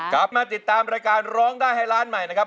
กลับมาติดตามรายการร้องได้ให้ล้านใหม่นะครับ